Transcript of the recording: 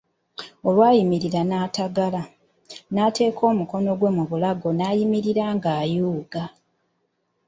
Olwayimuka n'atagala, n'ateeka omukono gwe mu bulago n'ayimirira ng'ayuuga.